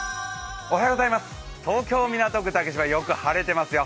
東京・港区竹芝、よく晴れてますよ。